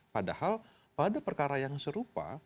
padahal pada perkara yang serupa